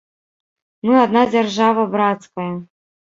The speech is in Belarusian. Мы адна дзяржава брацкая.